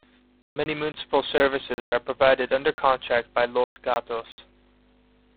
Many municipal services are provided under contract by Los Gatos.